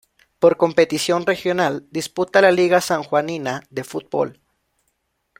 Por competición regional disputa la Liga Sanjuanina de Fútbol.